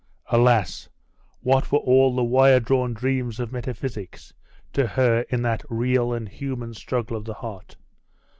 Alas! what were all the wire drawn dreams of metaphysics to her in that real and human struggle of the heart?